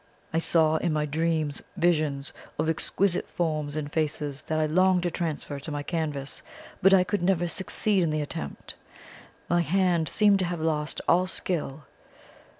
I saw in my dreams visions, of exquisite forms and faces that I longed to transfer to my canvas, but I could never succeed in the attempt. My hand seemed to have lost all skill.